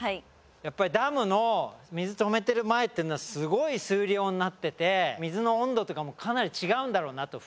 やっぱりダムの水止めてる前っていうのはすごい水量になってて水の温度とかもかなり違うんだろうなと。